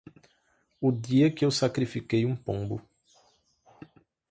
O dia que eu sacrifiquei um pombo